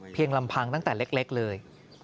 ลำพังตั้งแต่เล็กเลย